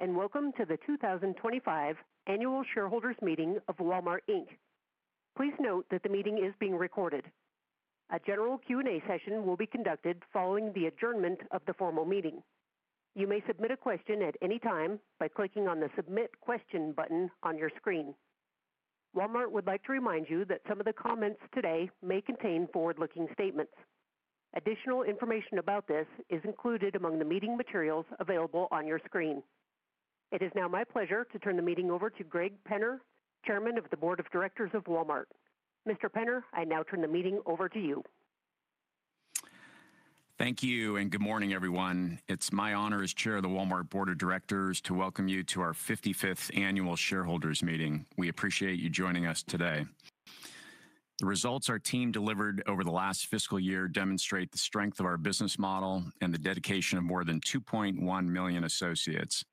Hello, and welcome to the 2025 Annual Shareholders Meeting of Walmart Inc. Please note that the meeting is being recorded. A general Q&A session will be conducted following the adjournment of the formal meeting. You may submit a question at any time by clicking on the Submit Question button on your screen. Walmart would like to remind you that some of the comments today may contain forward-looking statements. Additional information about this is included among the meeting materials available on your screen. It is now my pleasure to turn the meeting over to Greg Penner, Chairman of the Board of Directors of Walmart. Mr. Penner, I now turn the meeting over to you. Thank you, and good morning, everyone. It's my honor as Chair of the Walmart Board of Directors to welcome you to our 55th Annual Shareholders Meeting. We appreciate you joining us today. The results our team delivered over the last fiscal year demonstrate the strength of our business model and the dedication of more than 2.1 million associates.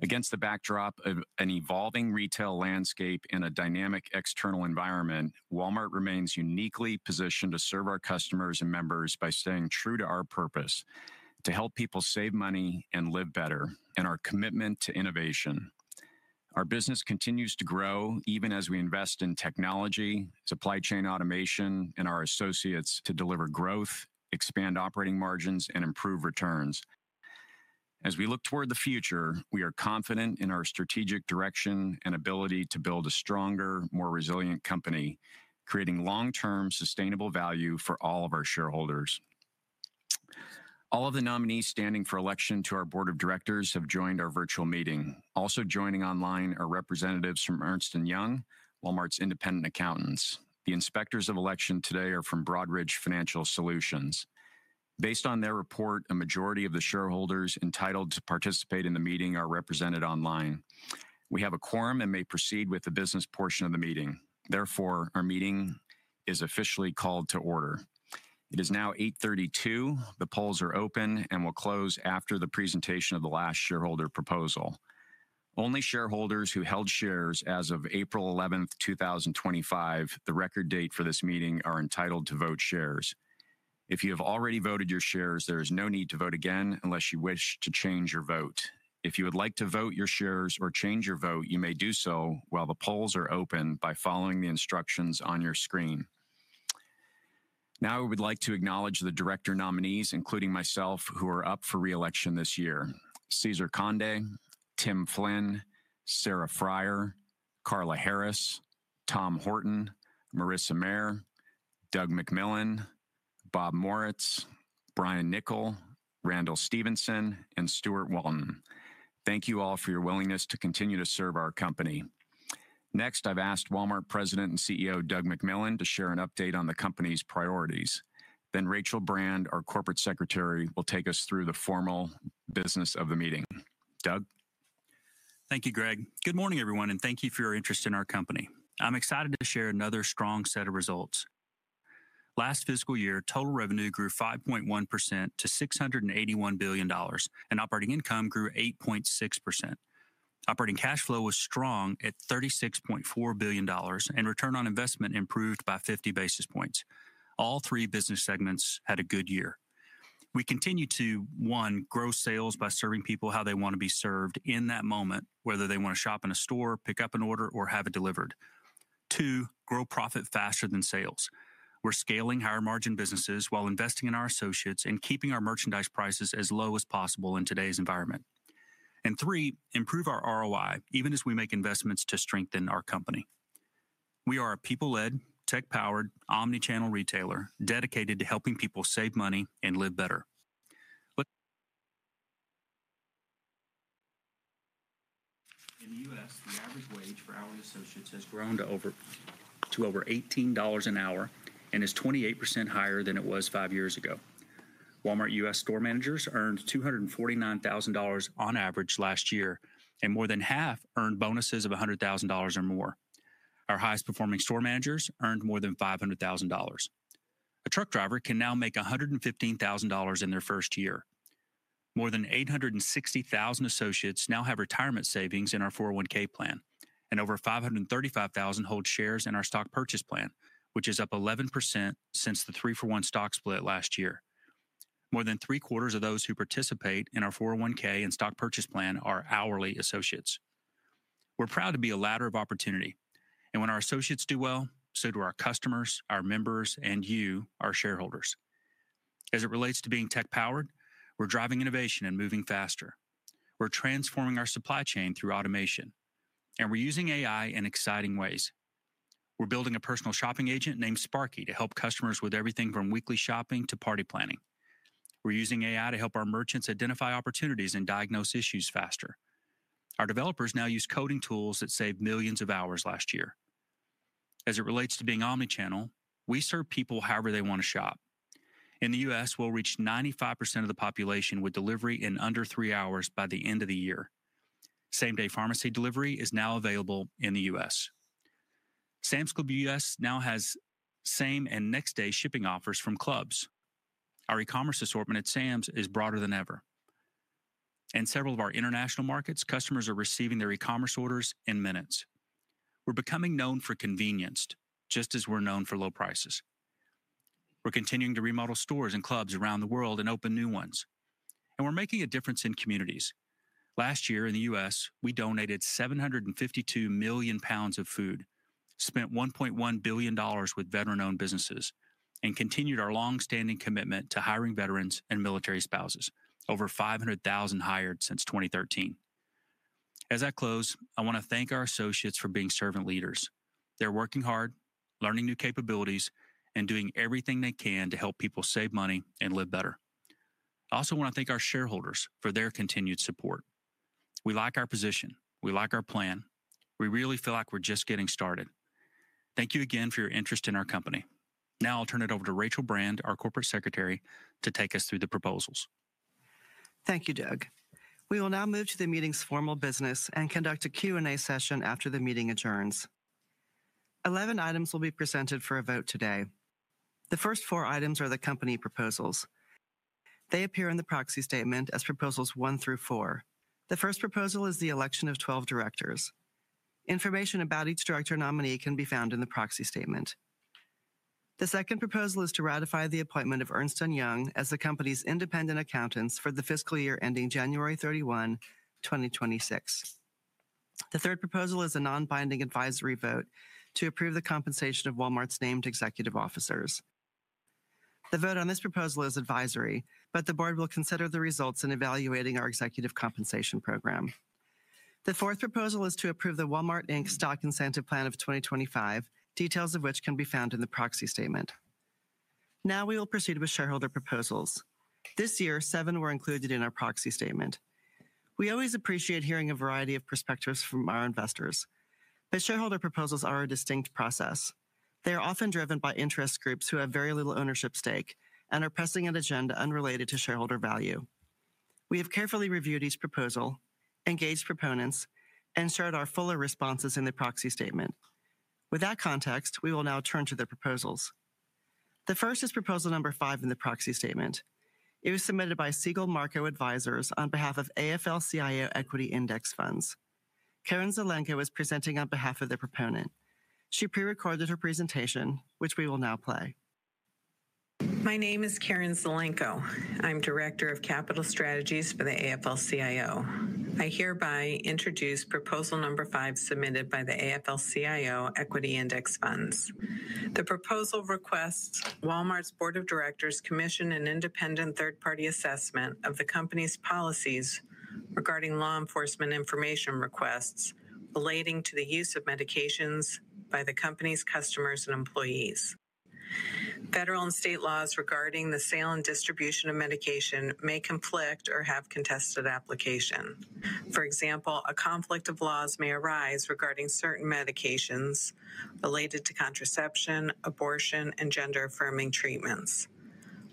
Against the backdrop of an evolving retail landscape and a dynamic external environment, Walmart remains uniquely positioned to serve our customers and members by staying true to our purpose: to help people save money and live better, and our commitment to innovation. Our business continues to grow even as we invest in technology, supply chain automation, and our associates to deliver growth, expand operating margins, and improve returns. As we look toward the future, we are confident in our strategic direction and ability to build a stronger, more resilient company, creating long-term sustainable value for all of our shareholders. All of the nominees standing for election to our Board of Directors have joined our virtual meeting. Also joining online are representatives from Ernst & Young, Walmart's independent accountants. The inspectors of election today are from Broadridge Financial Solutions. Based on their report, a majority of the shareholders entitled to participate in the meeting are represented online. We have a quorum and may proceed with the business portion of the meeting. Therefore, our meeting is officially called to order. It is now 8:32 A.M. The polls are open and will close after the presentation of the last shareholder proposal. Only shareholders who held shares as of April 11th, 2025, the record date for this meeting, are entitled to vote shares. If you have already voted your shares, there is no need to vote again unless you wish to change your vote. If you would like to vote your shares or change your vote, you may do so while the polls are open by following the instructions on your screen. Now, I would like to acknowledge the director nominees, including myself, who are up for reelection this year: Cesar Conde, Tim Flynn, Sarah Friar, Carla Harris, Tom Horton, Marissa Mayer, Doug McMillon, Bob Moritz, Brian Niccol, Randall Stephenson, and Steuart Walton. Thank you all for your willingness to continue to serve our company. Next, I've asked Walmart President and CEO Doug McMillon to share an update on the company's priorities. Rachel Brand, our Corporate Secretary, will take us through the formal business of the meeting. Doug? Thank you, Greg. Good morning, everyone, and thank you for your interest in our company. I'm excited to share another strong set of results. Last fiscal year, total revenue grew 5.1% to $681 billion, and operating income grew 8.6%. Operating cash flow was strong at $36.4 billion, and return on investment improved by 50 basis points. All three business segments had a good year. We continue to, one, grow sales by serving people how they want to be served in that moment, whether they want to shop in a store, pick up an order, or have it delivered. Two, grow profit faster than sales. We're scaling higher-margin businesses while investing in our associates and keeping our merchandise prices as low as possible in today's environment. Three, improve our ROI even as we make investments to strengthen our company. We are a people-led, tech-powered, omnichannel retailer dedicated to helping people save money and live better. In the U.S., the average wage for hourly associates has grown to over $18 an hour and is 28% higher than it was five years ago. Walmart U.S. store managers earned $249,000 on average last year, and more than half earned bonuses of $100,000 or more. Our highest-performing store managers earned more than $500,000. A truck driver can now make $115,000 in their first year. More than 860,000 associates now have retirement savings in our 401(k) plan, and over 535,000 hold shares in our stock purchase plan, which is up 11% since the 3-for-1 stock split last year. More than three-quarters of those who participate in our 401(k) and stock purchase plan are hourly associates. We're proud to be a ladder of opportunity, and when our associates do well, so do our customers, our members, and you, our shareholders. As it relates to being tech-powered, we're driving innovation and moving faster. We're transforming our supply chain through automation, and we're using AI in exciting ways. We're building a personal shopping agent named Sparky to help customers with everything from weekly shopping to party planning. We're using AI to help our merchants identify opportunities and diagnose issues faster. Our developers now use coding tools that saved millions of hours last year. As it relates to being omnichannel, we serve people however they want to shop. In the U.S., we'll reach 95% of the population with delivery in under three hours by the end of the year. Same-day pharmacy delivery is now available in the U.S. Sam's Club U.S. Now has same and next-day shipping offers from clubs. Our e-commerce assortment at Sam's is broader than ever. In several of our international markets, customers are receiving their e-commerce orders in minutes. We're becoming known for convenience, just as we're known for low prices. We're continuing to remodel stores and clubs around the world and open new ones. We are making a difference in communities. Last year, in the U.S., we donated 752 million pounds of food, spent $1.1 billion with veteran-owned businesses, and continued our long-standing commitment to hiring veterans and military spouses, over 500,000 hired since 2013. As I close, I want to thank our associates for being servant leaders. They're working hard, learning new capabilities, and doing everything they can to help people save money and live better. I also want to thank our shareholders for their continued support. We like our position. We like our plan. We really feel like we're just getting started. Thank you again for your interest in our company. Now, I'll turn it over to Rachel Brand, our Corporate Secretary, to take us through the proposals. Thank you, Doug. We will now move to the meeting's formal business and conduct a Q&A session after the meeting adjourns. 11 items will be presented for a vote today. The first four items are the company proposals. They appear in the proxy statement as proposals one through four. The first proposal is the election of 12 directors. Information about each director nominee can be found in the proxy statement. The second proposal is to ratify the appointment of Ernst & Young as the company's independent accountants for the fiscal year ending January 31, 2026. The third proposal is a non-binding advisory vote to approve the compensation of Walmart's named executive officers. The vote on this proposal is advisory, but the board will consider the results in evaluating our executive compensation program. The fourth proposal is to approve the Walmart Inc. Stock Incentive Plan of 2025, details of which can be found in the proxy statement. Now, we will proceed with shareholder proposals. This year, seven were included in our proxy statement. We always appreciate hearing a variety of perspectives from our investors. Shareholder proposals are a distinct process. They are often driven by interest groups who have very little ownership stake and are pressing an agenda unrelated to shareholder value. We have carefully reviewed each proposal, engaged proponents, and shared our fuller responses in the proxy statement. With that context, we will now turn to the proposals. The first is proposal number five in the proxy statement. It was submitted by Segal Marco Advisors on behalf of AFL-CIO Equity Index Funds. Carin Zelenko is presenting on behalf of the proponent. She pre-recorded her presentation, which we will now play. My name is Carin Zelenko. I'm Director of Capital Strategies for the AFL-CIO. I hereby introduce proposal number five submitted by the AFL-CIO Equity Index Funds. The proposal requests Walmart's Board of Directors commission an independent third-party assessment of the company's policies regarding law enforcement information requests relating to the use of medications by the company's customers and employees. Federal and state laws regarding the sale and distribution of medication may conflict or have contested application. For example, a conflict of laws may arise regarding certain medications related to contraception, abortion, and gender-affirming treatments.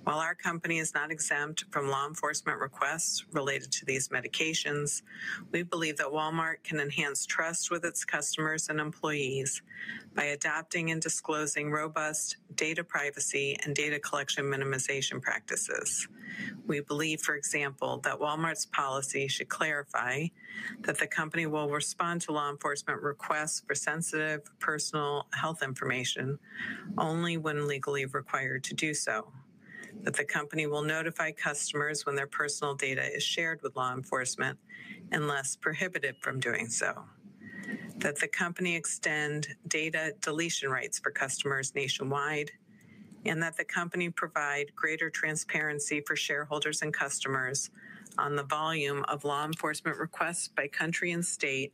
While our company is not exempt from law enforcement requests related to these medications, we believe that Walmart can enhance trust with its customers and employees by adopting and disclosing robust data privacy and data collection minimization practices. We believe, for example, that Walmart's policy should clarify that the company will respond to law enforcement requests for sensitive personal health information only when legally required to do so, that the company will notify customers when their personal data is shared with law enforcement unless prohibited from doing so, that the company extend data deletion rights for customers nationwide, and that the company provide greater transparency for shareholders and customers on the volume of law enforcement requests by country and state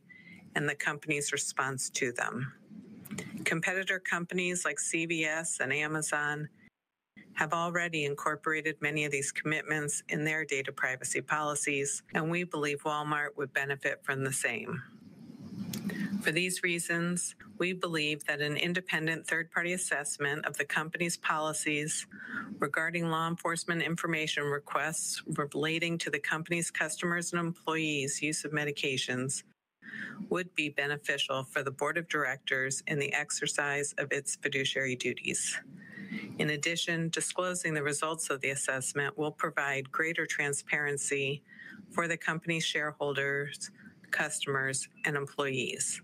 and the company's response to them. Competitor companies like CVS and Amazon have already incorporated many of these commitments in their data privacy policies, and we believe Walmart would benefit from the same. For these reasons, we believe that an independent third-party assessment of the company's policies regarding law enforcement information requests relating to the company's customers and employees' use of medications would be beneficial for the Board of Directors in the exercise of its fiduciary duties. In addition, disclosing the results of the assessment will provide greater transparency for the company's shareholders, customers, and employees.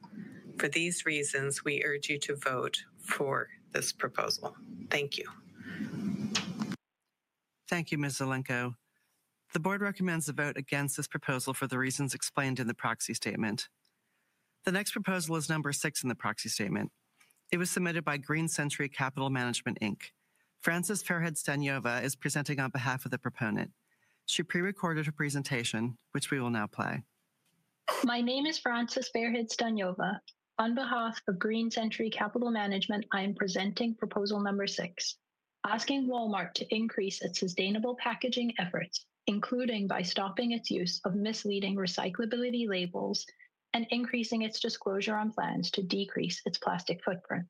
For these reasons, we urge you to vote for this proposal. Thank you. Thank you, Ms. Zelenko. The board recommends a vote against this proposal for the reasons explained in the proxy statement. The next proposal is number six in the proxy statement. It was submitted by Green Century Capital Management, Inc. Frances Fairhead-Stanova is presenting on behalf of the proponent. She pre-recorded her presentation, which we will now play. My name is Frances Fairhead-Stanova. On behalf of Green Century Capital Management, I am presenting proposal number six, asking Walmart to increase its sustainable packaging efforts, including by stopping its use of misleading recyclability labels and increasing its disclosure on plans to decrease its plastic footprint.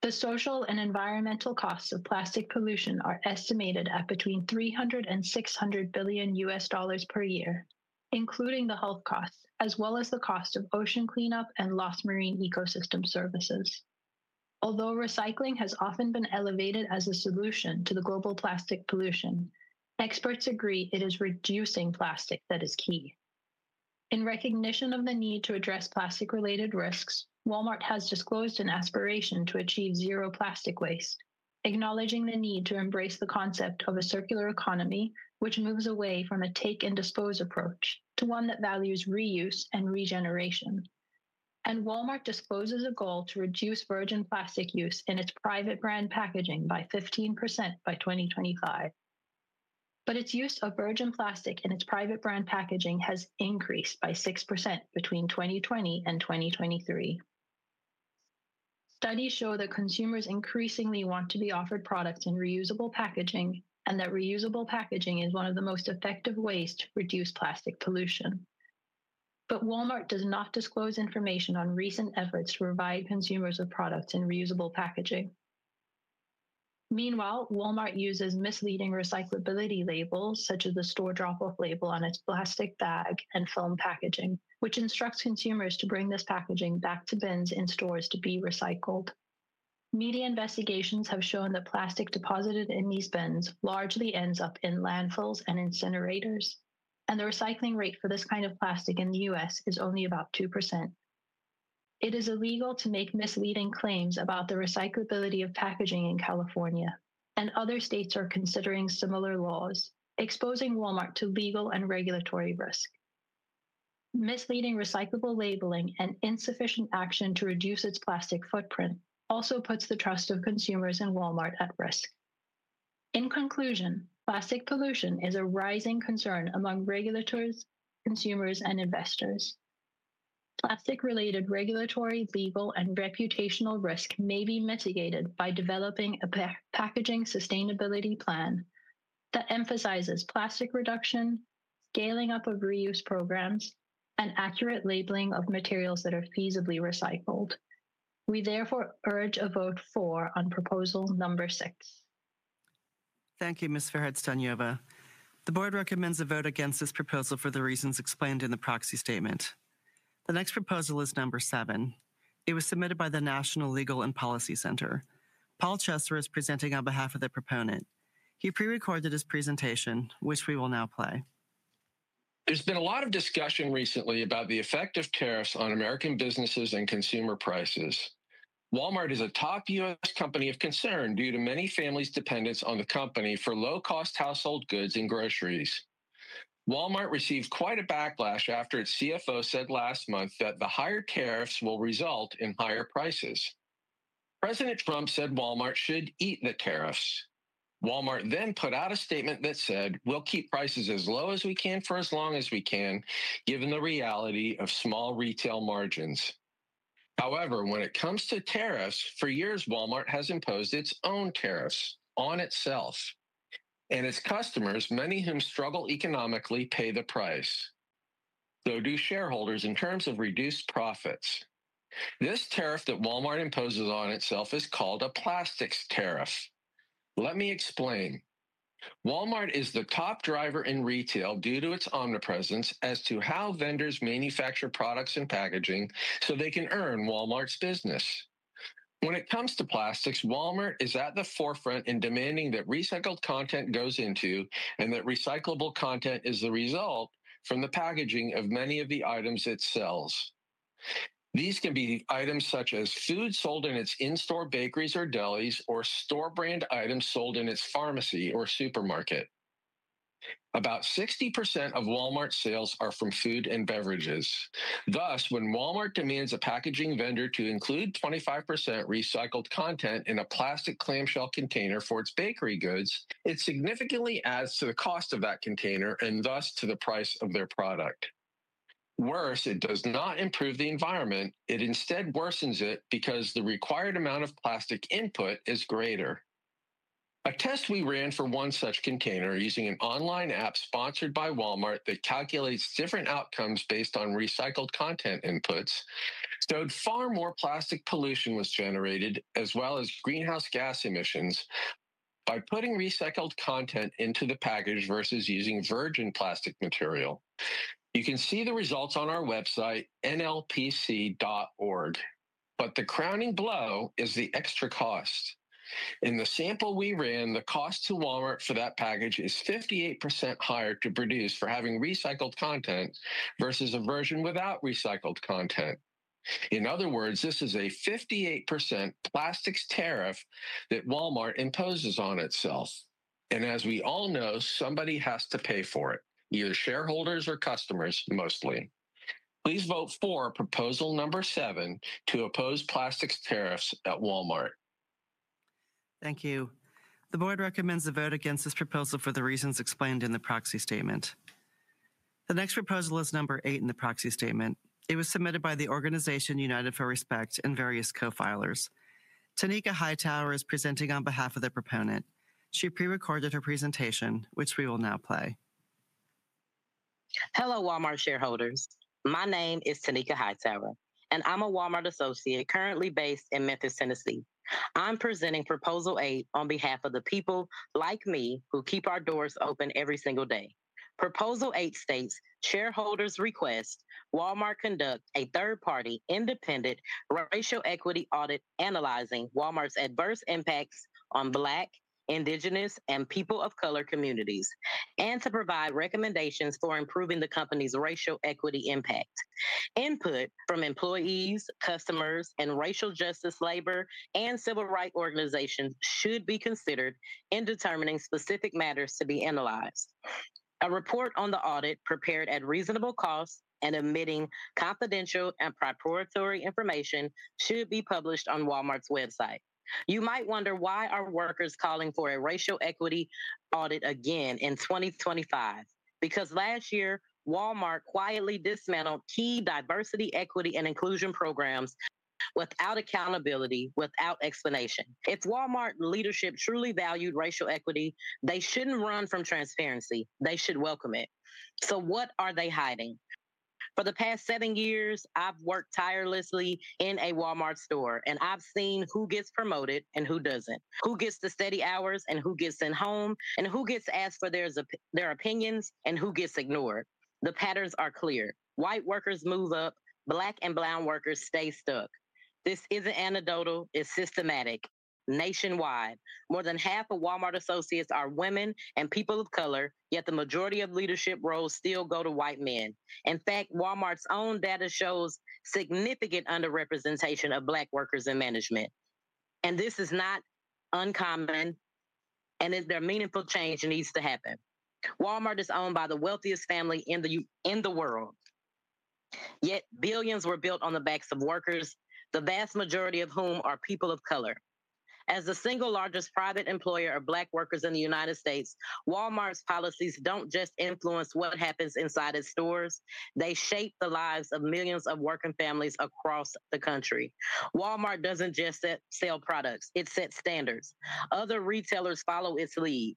The social and environmental costs of plastic pollution are estimated at between $300 billion and $600 billion per year, including the health costs, as well as the cost of ocean cleanup and lost marine ecosystem services. Although recycling has often been elevated as a solution to the global plastic pollution, experts agree it is reducing plastic that is key. In recognition of the need to address plastic-related risks, Walmart has disclosed an aspiration to achieve zero plastic waste, acknowledging the need to embrace the concept of a circular economy, which moves away from a take-and-dispose approach to one that values reuse and regeneration. Walmart discloses a goal to reduce virgin plastic use in its private brand packaging by 15% by 2025. Its use of virgin plastic in its private brand packaging has increased by 6% between 2020 and 2023. Studies show that consumers increasingly want to be offered products in reusable packaging and that reusable packaging is one of the most effective ways to reduce plastic pollution. Walmart does not disclose information on recent efforts to provide consumers with products in reusable packaging. Meanwhile, Walmart uses misleading recyclability labels, such as the store drop-off label on its plastic bag and film packaging, which instructs consumers to bring this packaging back to bins in stores to be recycled. Media investigations have shown that plastic deposited in these bins largely ends up in landfills and incinerators, and the recycling rate for this kind of plastic in the U.S. is only about 2%. It is illegal to make misleading claims about the recyclability of packaging in California, and other states are considering similar laws, exposing Walmart to legal and regulatory risk. Misleading recyclable labeling and insufficient action to reduce its plastic footprint also puts the trust of consumers in Walmart at risk. In conclusion, plastic pollution is a rising concern among regulators, consumers, and investors. Plastic-related regulatory, legal, and reputational risk may be mitigated by developing a packaging sustainability plan that emphasizes plastic reduction, scaling up of reuse programs, and accurate labeling of materials that are feasibly recycled. We therefore urge a vote for proposal number six. Thank you, Ms. Fairhead-Stanova. The board recommends a vote against this proposal for the reasons explained in the proxy statement. The next proposal is number seven. It was submitted by the National Legal and Policy Center. Paul Chesser is presenting on behalf of the proponent. He pre-recorded his presentation, which we will now play. There's been a lot of discussion recently about the effect of tariffs on American businesses and consumer prices. Walmart is a top U.S. company of concern due to many families' dependence on the company for low-cost household goods and groceries. Walmart received quite a backlash after its CFO said last month that the higher tariffs will result in higher prices. President Trump said Walmart should eat the tariffs. Walmart then put out a statement that said, "We'll keep prices as low as we can for as long as we can, given the reality of small retail margins." However, when it comes to tariffs, for years, Walmart has imposed its own tariffs on itself. And its customers, many of whom struggle economically, pay the price, though do shareholders in terms of reduced profits. This tariff that Walmart imposes on itself is called a plastics tariff. Let me explain. Walmart is the top driver in retail due to its omnipresence as to how vendors manufacture products and packaging so they can earn Walmart's business. When it comes to plastics, Walmart is at the forefront in demanding that recycled content goes into and that recyclable content is the result from the packaging of many of the items it sells. These can be items such as food sold in its in-store bakeries or delis or store-brand items sold in its pharmacy or supermarket. About 60% of Walmart's sales are from food and beverages. Thus, when Walmart demands a packaging vendor to include 25% recycled content in a plastic clamshell container for its bakery goods, it significantly adds to the cost of that container and thus to the price of their product. Worse, it does not improve the environment. It instead worsens it because the required amount of plastic input is greater. A test we ran for one such container using an online app sponsored by Walmart that calculates different outcomes based on recycled content inputs showed far more plastic pollution was generated as well as greenhouse gas emissions by putting recycled content into the package versus using virgin plastic material. You can see the results on our website, nlpc.org. The crowning blow is the extra cost. In the sample we ran, the cost to Walmart for that package is 58% higher to produce for having recycled content versus a version without recycled content. In other words, this is a 58% plastics tariff that Walmart imposes on itself. As we all know, somebody has to pay for it, either shareholders or customers, mostly. Please vote for proposal number seven to oppose plastics tariffs at Walmart. Thank you. The board recommends a vote against this proposal for the reasons explained in the proxy statement. The next proposal is number eight in the proxy statement. It was submitted by the organization United for Respect and various co-filers. TaNeka Hightower is presenting on behalf of the proponent. She pre-recorded her presentation, which we will now play. Hello, Walmart shareholders. My name is TaNeka Hightower, and I'm a Walmart associate currently based in Memphis, Tennessee. I'm presenting proposal eight on behalf of the people like me who keep our doors open every single day. Proposal eight states, "Shareholders request Walmart conduct a third-party independent racial equity audit analyzing Walmart's adverse impacts on Black, Indigenous, and People of Color communities and to provide recommendations for improving the company's racial equity impact. Input from employees, customers, and racial justice labor and civil rights organizations should be considered in determining specific matters to be analyzed. A report on the audit prepared at reasonable cost and admitting confidential and preparatory information should be published on Walmart's website." You might wonder why are workers calling for a racial equity audit again in 2025? Because last year, Walmart quietly dismantled key diversity, equity, and inclusion programs without accountability, without explanation. If Walmart leadership truly valued racial equity, they shouldn't run from transparency. They should welcome it. What are they hiding? For the past seven years, I've worked tirelessly in a Walmart store, and I've seen who gets promoted and who doesn't, who gets steady hours and who gets sent home, and who gets asked for their opinions and who gets ignored. The patterns are clear. White workers move up. Black and brown workers stay stuck. This isn't anecdotal. It's systematic. Nationwide, more than half of Walmart associates are women and people of color, yet the majority of leadership roles still go to white men. In fact, Walmart's own data shows significant underrepresentation of Black workers in management. This is not uncommon, and there is meaningful change that needs to happen. Walmart is owned by the wealthiest family in the world, yet billions were built on the backs of workers, the vast majority of whom are people of color. As the single largest private employer of Black workers in the U.S., Walmart's policies don't just influence what happens inside its stores. They shape the lives of millions of working families across the country. Walmart doesn't just sell products. It sets standards. Other retailers follow its lead.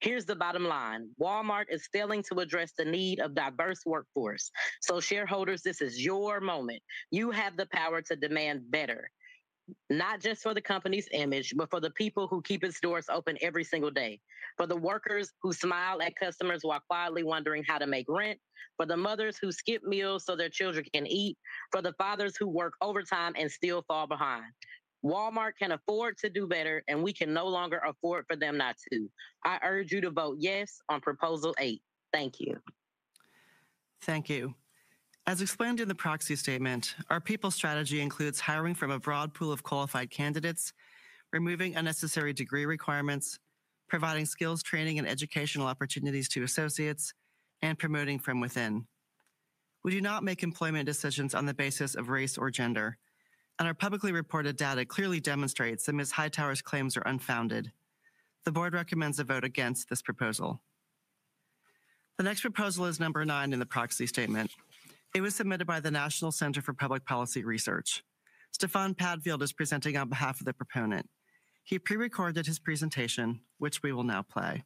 Here's the bottom line. Walmart is failing to address the need of a diverse workforce. So shareholders, this is your moment. You have the power to demand better, not just for the company's image, but for the people who keep its doors open every single day, for the workers who smile at customers while quietly wondering how to make rent, for the mothers who skip meals so their children can eat, for the fathers who work overtime and still fall behind. Walmart can afford to do better, and we can no longer afford for them not to. I urge you to vote yes on proposal eight. Thank you. Thank you. As explained in the proxy statement, our people strategy includes hiring from a broad pool of qualified candidates, removing unnecessary degree requirements, providing skills, training, and educational opportunities to associates, and promoting from within. We do not make employment decisions on the basis of race or gender. Our publicly reported data clearly demonstrates that Ms. Hightower's claims are unfounded. The board recommends a vote against this proposal. The next proposal is number nine in the proxy statement. It was submitted by the National Center for Public Policy Research. Stefan Padfield is presenting on behalf of the proponent. He pre-recorded his presentation, which we will now play.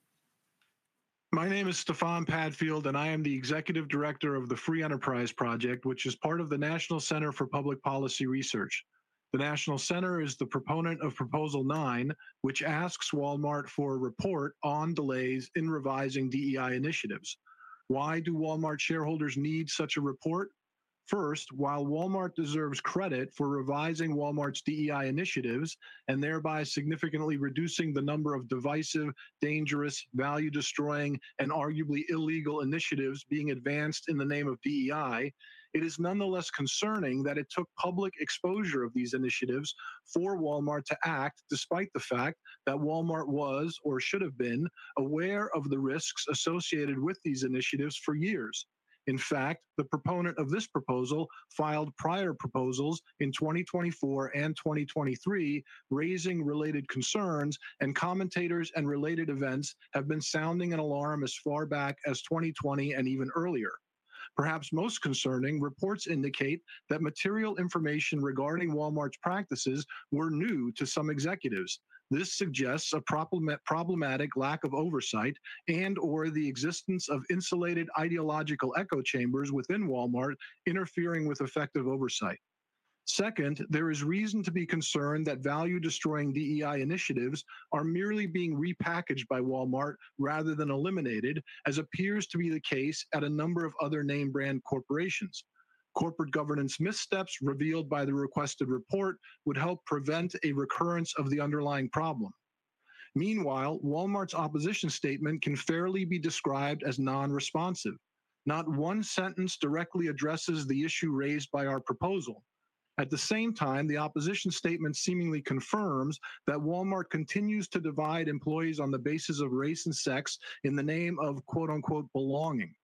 My name is Stefan Padfield, and I am the Executive Director of the Free Enterprise Project, which is part of the National Center for Public Policy Research. The National Center is the proponent of proposal nine, which asks Walmart for a report on delays in revising DEI initiatives. Why do Walmart shareholders need such a report? First, while Walmart deserves credit for revising Walmart's DEI initiatives and thereby significantly reducing the number of divisive, dangerous, value-destroying, and arguably illegal initiatives being advanced in the name of DEI, it is nonetheless concerning that it took public exposure of these initiatives for Walmart to act despite the fact that Walmart was or should have been aware of the risks associated with these initiatives for years. In fact, the proponent of this proposal filed prior proposals in 2024 and 2023, raising related concerns, and commentators and related events have been sounding an alarm as far back as 2020 and even earlier. Perhaps most concerning, reports indicate that material information regarding Walmart's practices were new to some executives. This suggests a problematic lack of oversight and/or the existence of insulated ideological echo chambers within Walmart interfering with effective oversight. Second, there is reason to be concerned that value-destroying DEI initiatives are merely being repackaged by Walmart rather than eliminated, as appears to be the case at a number of other name-brand corporations. Corporate governance missteps revealed by the requested report would help prevent a recurrence of the underlying problem. Meanwhile, Walmart's opposition statement can fairly be described as non-responsive. Not one sentence directly addresses the issue raised by our proposal. At the same time, the opposition statement seemingly confirms that Walmart continues to divide employees on the basis of race and sex in the name of "belonging."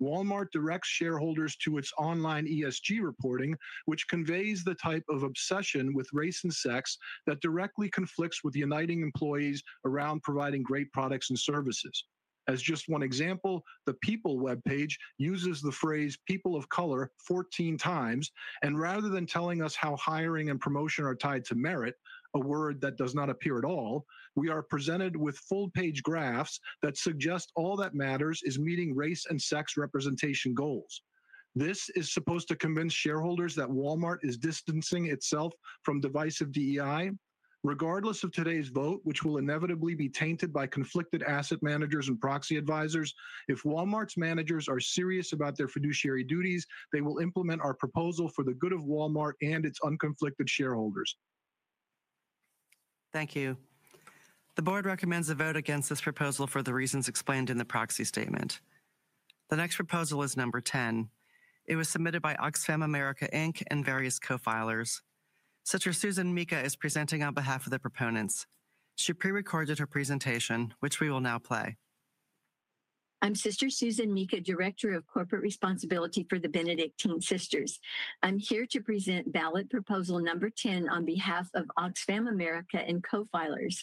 Walmart directs shareholders to its online ESG reporting, which conveys the type of obsession with race and sex that directly conflicts with uniting employees around providing great products and services. As just one example, the People webpage uses the phrase "People of Color" 14 times, and rather than telling us how hiring and promotion are tied to merit, a word that does not appear at all, we are presented with full-page graphs that suggest all that matters is meeting race and sex representation goals. This is supposed to convince shareholders that Walmart is distancing itself from divisive DEI? Regardless of today's vote, which will inevitably be tainted by conflicted asset managers and proxy advisors, if Walmart's managers are serious about their fiduciary duties, they will implement our proposal for the good of Walmart and its unconflicted shareholders. Thank you. The board recommends a vote against this proposal for the reasons explained in the proxy statement. The next proposal is number 10. It was submitted by Oxfam America, Inc. and various co-filers. Sister Susan Mika is presenting on behalf of the proponents. She pre-recorded her presentation, which we will now play. I'm Sister Susan Mika, Director of Corporate Responsibility for the Benedictine Sisters. I'm here to present ballot proposal number 10 on behalf of Oxfam America and co-filers.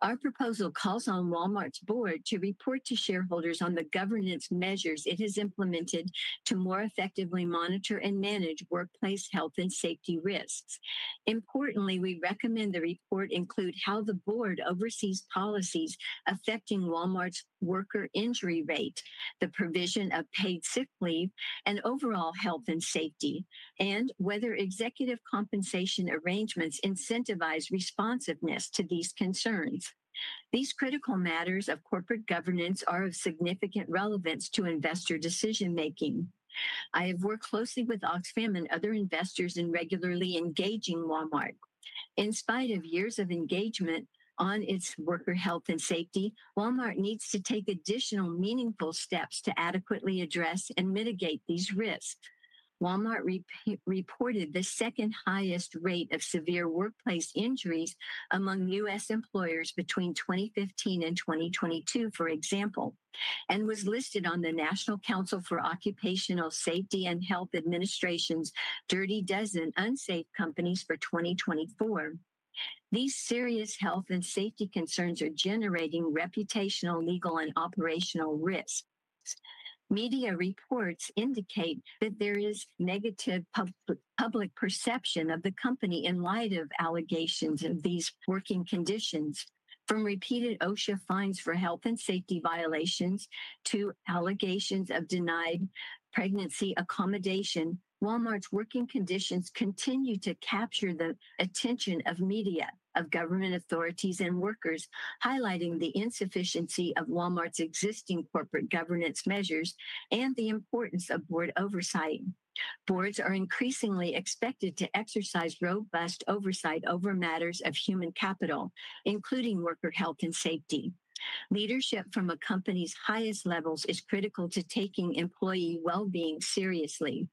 Our proposal calls on Walmart's board to report to shareholders on the governance measures it has implemented to more effectively monitor and manage workplace health and safety risks. Importantly, we recommend the report include how the board oversees policies affecting Walmart's worker injury rate, the provision of paid sick leave, and overall health and safety, and whether executive compensation arrangements incentivize responsiveness to these concerns. These critical matters of corporate governance are of significant relevance to investor decision-making. I have worked closely with Oxfam and other investors in regularly engaging Walmart. In spite of years of engagement on its worker health and safety, Walmart needs to take additional meaningful steps to adequately address and mitigate these risks. Walmart reported the second highest rate of severe workplace injuries among U.S. employers between 2015 and 2022, for example, and was listed on the National Council for Occupational Safety and Health Administration's Dirty Dozen Unsafe Companies for 2024. These serious health and safety concerns are generating reputational, legal, and operational risks. Media reports indicate that there is negative public perception of the company in light of allegations of these working conditions. From repeated OSHA fines for health and safety violations to allegations of denied pregnancy accommodation, Walmart's working conditions continue to capture the attention of media, of government authorities, and workers, highlighting the insufficiency of Walmart's existing corporate governance measures and the importance of board oversight. Boards are increasingly expected to exercise robust oversight over matters of human capital, including worker health and safety. Leadership from a company's highest levels is critical to taking employee well-being seriously.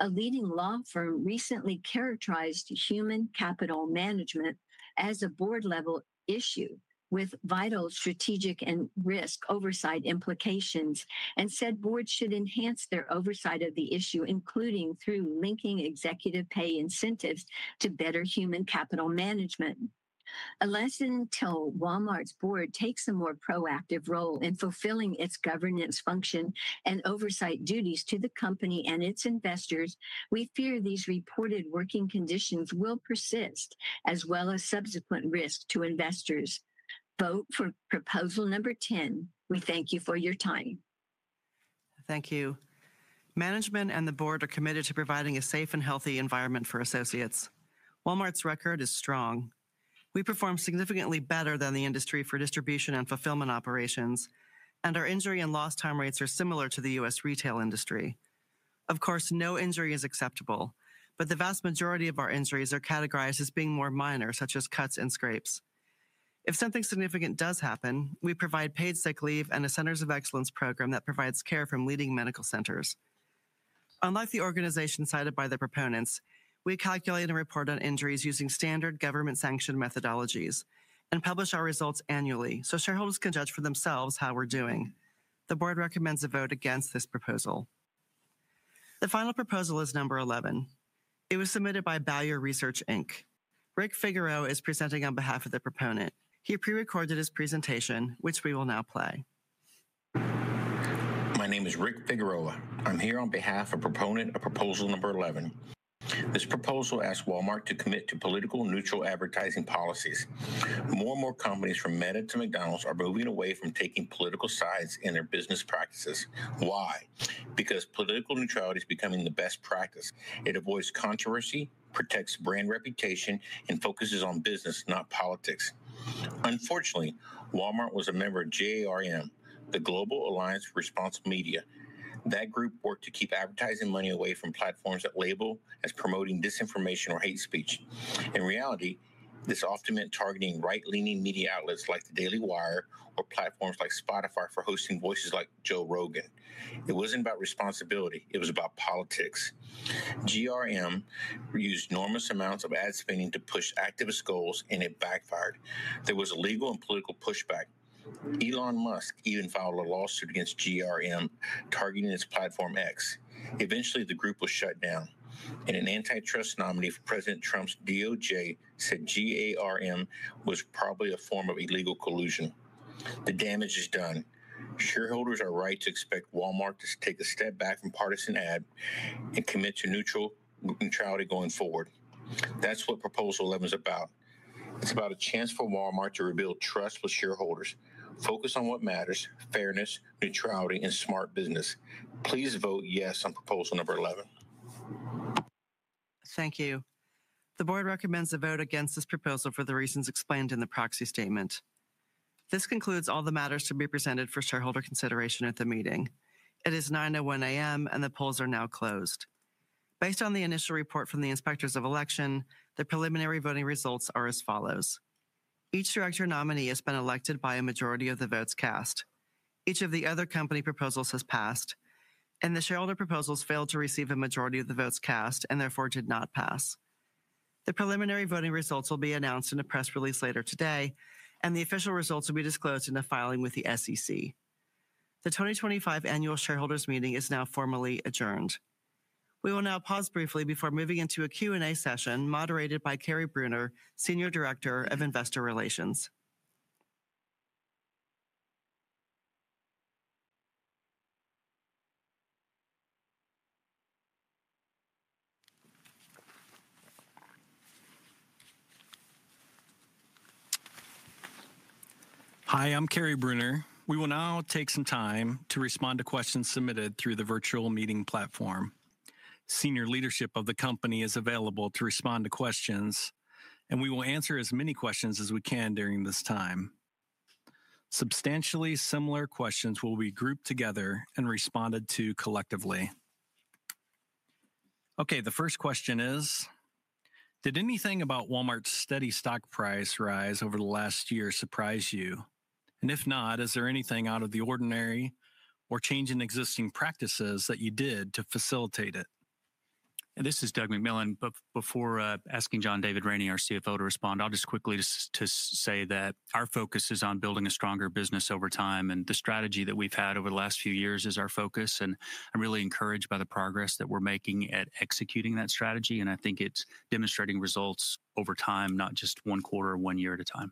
A leading law firm recently characterized human capital management as a board-level issue with vital strategic and risk oversight implications and said boards should enhance their oversight of the issue, including through linking executive pay incentives to better human capital management. Unless and until Walmart's board takes a more proactive role in fulfilling its governance function and oversight duties to the company and its investors, we fear these reported working conditions will persist, as well as subsequent risks to investors. Vote for proposal number 10. We thank you for your time. Thank you. Management and the board are committed to providing a safe and healthy environment for associates. Walmart's record is strong. We perform significantly better than the industry for distribution and fulfillment operations, and our injury and loss time rates are similar to the U.S. retail industry. Of course, no injury is acceptable, but the vast majority of our injuries are categorized as being more minor, such as cuts and scrapes. If something significant does happen, we provide paid sick leave and a Centers of Excellence program that provides care from leading medical centers. Unlike the organization cited by the proponents, we calculate and report on injuries using standard government-sanctioned methodologies and publish our results annually so shareholders can judge for themselves how we're doing. The board recommends a vote against this proposal. The final proposal is number 11. It was submitted by Bowyer Research, Inc. Rick Figueroa is presenting on behalf of the proponent. He pre-recorded his presentation, which we will now play. My name is Rick Figueroa. I'm here on behalf of proponent of proposal number 11. This proposal asks Walmart to commit to political neutral advertising policies. More and more companies, from Meta to McDonald's, are moving away from taking political sides in their business practices. Why? Because political neutrality is becoming the best practice. It avoids controversy, protects brand reputation, and focuses on business, not politics. Unfortunately, Walmart was a member of GARM, the Global Alliance for Responsible Media. That group worked to keep advertising money away from platforms that label as promoting disinformation or hate speech. In reality, this often meant targeting right-leaning media outlets like the Daily Wire or platforms like Spotify for hosting voices like Joe Rogan. It wasn't about responsibility. It was about politics. GARM used enormous amounts of ad spending to push activist goals, and it backfired. There was legal and political pushback. Elon Musk even filed a lawsuit against GARM, targeting its platform, X. Eventually, the group was shut down, and an antitrust nominee for President Trump's DOJ said GARM was probably a form of illegal collusion. The damage is done. Shareholders are right to expect Walmart to take a step back from partisan ad and commit to neutral neutrality going forward. That's what proposal 11 is about. It's about a chance for Walmart to rebuild trust with shareholders. Focus on what matters: fairness, neutrality, and smart business. Please vote yes on proposal number 11. Thank you. The board recommends a vote against this proposal for the reasons explained in the proxy statement. This concludes all the matters to be presented for shareholder consideration at the meeting. It is 9:01 A.M., and the polls are now closed. Based on the initial report from the inspectors of election, the preliminary voting results are as follows. Each director nominee has been elected by a majority of the votes cast. Each of the other company proposals has passed, and the shareholder proposals failed to receive a majority of the votes cast and therefore did not pass. The preliminary voting results will be announced in a press release later today, and the official results will be disclosed in a filing with the SEC. The 2025 annual shareholders meeting is now formally adjourned. We will now pause briefly before moving into a Q&A session moderated by Kary Brunner, Senior Director of Investor Relations. Hi, I'm Kary Brunner. We will now take some time to respond to questions submitted through the virtual meeting platform. Senior leadership of the company is available to respond to questions, and we will answer as many questions as we can during this time. Substantially similar questions will be grouped together and responded to collectively. Okay, the first question is, did anything about Walmart's steady stock price rise over the last year surprise you? If not, is there anything out of the ordinary or change in existing practices that you did to facilitate it? This is Doug McMillon. Before asking John David Rainey, our CFO, to respond, I'll just quickly say that our focus is on building a stronger business over time, and the strategy that we've had over the last few years is our focus. I'm really encouraged by the progress that we're making at executing that strategy, and I think it's demonstrating results over time, not just one quarter or one year at a time.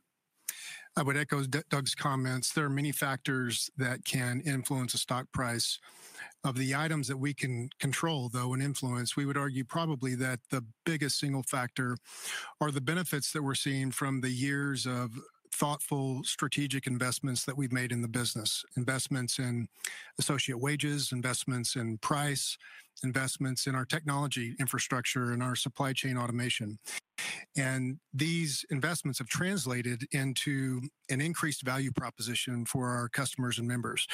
I would echo Doug's comments. There are many factors that can influence a stock price. Of the items that we can control, though, and influence, we would argue probably that the biggest single factor are the benefits that we're seeing from the years of thoughtful strategic investments that we've made in the business: investments in associate wages, investments in price, investments in our technology infrastructure, and our supply chain automation. These investments have translated into an increased value proposition for our customers and members.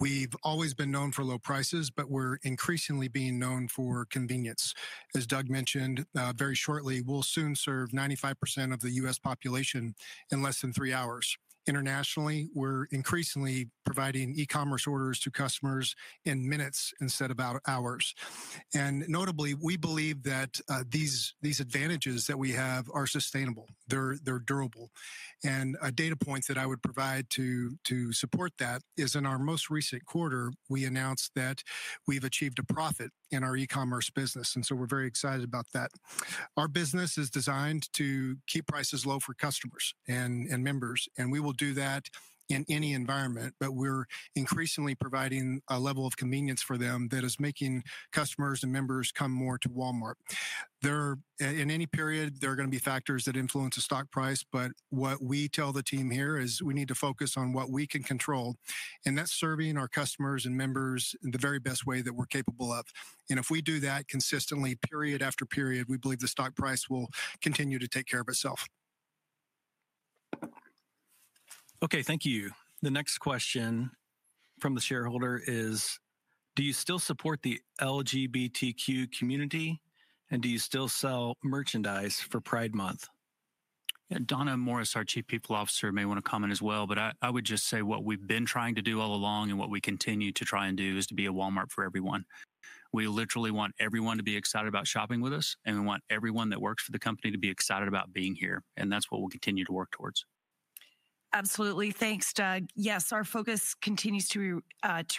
We've always been known for low prices, but we're increasingly being known for convenience. As Doug mentioned, very shortly, we'll soon serve 95% of the U.S. population in less than three hours. Internationally, we're increasingly providing e-commerce orders to customers in minutes instead of hours. Notably, we believe that these advantages that we have are sustainable. They're durable. A data point that I would provide to support that is, in our most recent quarter, we announced that we've achieved a profit in our e-commerce business, and we are very excited about that. Our business is designed to keep prices low for customers and members, and we will do that in any environment, but we are increasingly providing a level of convenience for them that is making customers and members come more to Walmart. In any period, there are going to be factors that influence a stock price, but what we tell the team here is we need to focus on what we can control, and that is serving our customers and members in the very best way that we are capable of. If we do that consistently, period after period, we believe the stock price will continue to take care of itself. Okay, thank you. The next question from the shareholder is, do you still support the LGBTQ community, and do you still sell merchandise for Pride Month? Donna Morris, our Chief People Officer, may want to comment as well, but I would just say what we've been trying to do all along and what we continue to try and do is to be a Walmart for everyone. We literally want everyone to be excited about shopping with us, and we want everyone that works for the company to be excited about being here, and that's what we'll continue to work towards. Absolutely. Thanks, Doug. Yes, our focus continues to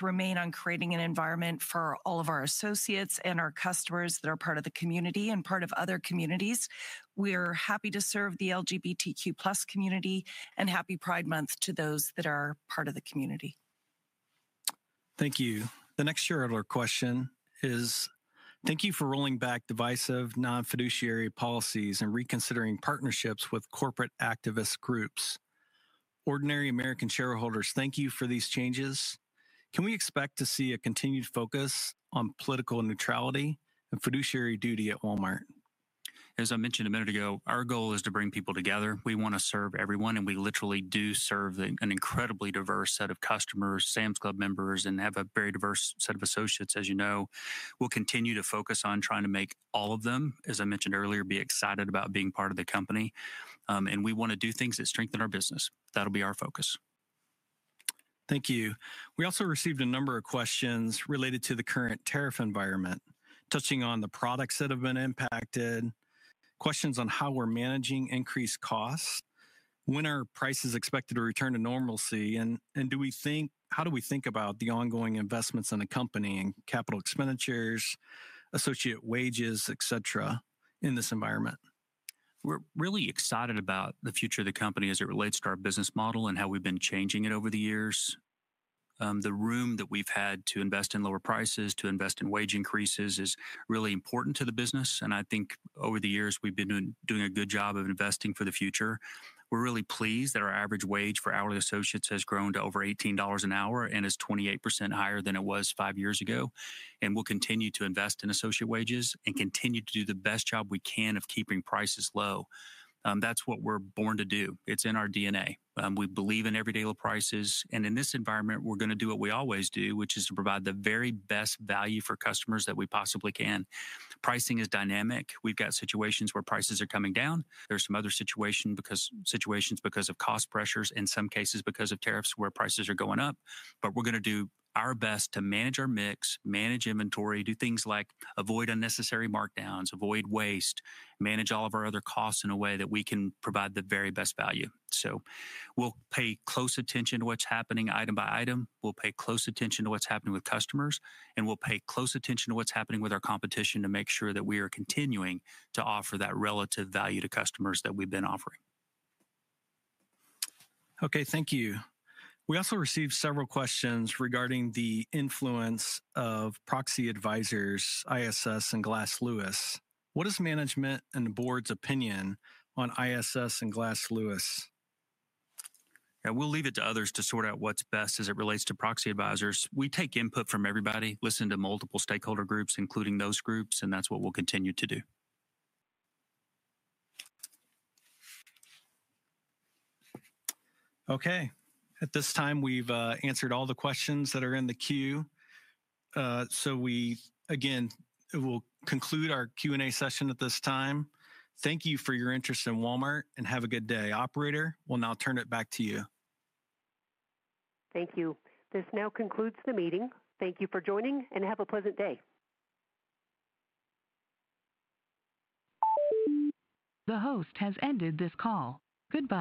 remain on creating an environment for all of our associates and our customers that are part of the community and part of other communities. We are happy to serve the LGBTQ+ community and happy Pride Month to those that are part of the community. Thank you. The next shareholder question is, thank you for rolling back divisive, non-fiduciary policies and reconsidering partnerships with corporate activist groups. Ordinary American shareholders, thank you for these changes. Can we expect to see a continued focus on political neutrality and fiduciary duty at Walmart? As I mentioned a minute ago, our goal is to bring people together. We want to serve everyone, and we literally do serve an incredibly diverse set of customers, Sam's Club members, and have a very diverse set of associates, as you know. We will continue to focus on trying to make all of them, as I mentioned earlier, be excited about being part of the company. We want to do things that strengthen our business. That will be our focus. Thank you. We also received a number of questions related to the current tariff environment, touching on the products that have been impacted, questions on how we're managing increased costs, when are prices expected to return to normalcy, and do we think, how do we think about the ongoing investments in the company and capital expenditures, associate wages, et cetera, in this environment? We're really excited about the future of the company as it relates to our business model and how we've been changing it over the years. The room that we've had to invest in lower prices, to invest in wage increases, is really important to the business, and I think over the years we've been doing a good job of investing for the future. We're really pleased that our average wage for hourly associates has grown to over $18 an hour and is 28% higher than it was five years ago. We will continue to invest in associate wages and continue to do the best job we can of keeping prices low. That's what we're born to do. It's in our DNA. We believe in everyday low prices, and in this environment, we're going to do what we always do, which is to provide the very best value for customers that we possibly can. Pricing is dynamic. We've got situations where prices are coming down. There are some other situations because of cost pressures, in some cases because of tariffs where prices are going up. We are going to do our best to manage our mix, manage inventory, do things like avoid unnecessary markdowns, avoid waste, manage all of our other costs in a way that we can provide the very best value. We will pay close attention to what's happening item by item. We will pay close attention to what's happening with customers, and we will pay close attention to what's happening with our competition to make sure that we are continuing to offer that relative value to customers that we've been offering. Okay, thank you. We also received several questions regarding the influence of proxy advisors, ISS, and Glass Lewis. What is management and the board's opinion on ISS and Glass Lewis? We'll leave it to others to sort out what's best as it relates to proxy advisors. We take input from everybody, listen to multiple stakeholder groups, including those groups, and that's what we'll continue to do. Okay. At this time, we've answered all the questions that are in the queue. So we, again, will conclude our Q&A session at this time. Thank you for your interest in Walmart and have a good day. Operator, we'll now turn it back to you. Thank you. This now concludes the meeting. Thank you for joining and have a pleasant day. The host has ended this call. Goodbye.